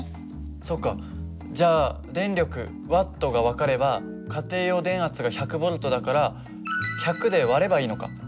そうかじゃあ電力Ｗが分かれば家庭用電圧が１００Ｖだから１００で割ればいいのか。